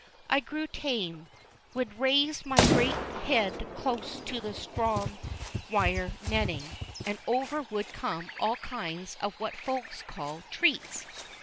I grew tame, would raise my great head close to the strong wire netting, and over would come all kinds of what Folks call "treats."